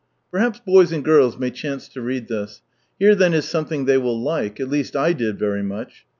Perhaps bojs and giils ma^ chaaoe lo read this. Hoc then is aomething ibev will like— at least I did very much.